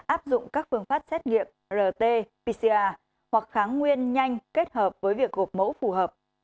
áp dụng các phương pháp xét nghiệm rt pcr hoặc kháng nguyên nhanh kết hợp với việc gộp mẫu phù hợp